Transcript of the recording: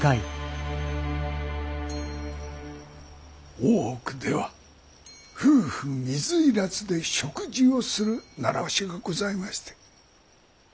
大奥では夫婦水入らずで食事をする習わしがございまして。